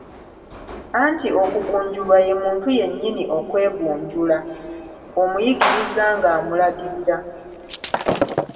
Anti okugunjulwa ye muntu yennyini okwegunjula, omuyigiriza ng'amulagirira.